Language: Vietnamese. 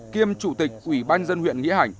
kiêm chủ tịch ủy ban dân huyện